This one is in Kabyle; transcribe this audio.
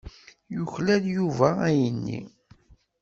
Yuklal Yuba ayenni.